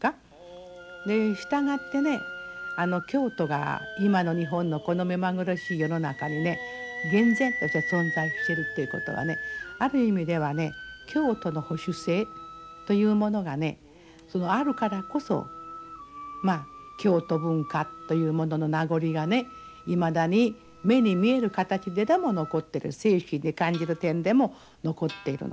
従って京都が今の日本のこの目まぐるしい世の中に厳然として存在してるということはねある意味ではね京都の保守性というものがあるからこそ京都文化というものの名残がいまだに目に見える形ででも残ってる精神に感じる点でも残っているので。